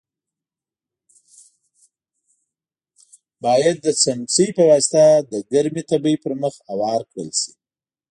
باید د څمڅۍ په واسطه د ګرمې تبۍ پر مخ اوار کړل شي.